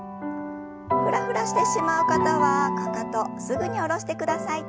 フラフラしてしまう方はかかとすぐに下ろしてください。